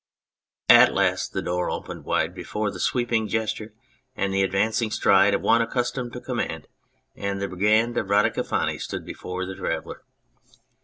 At last the door opened wide before the sweeping gesture and the advancing stride of one accustomed to command, and the Brigand of Radicofani stood before the traveller.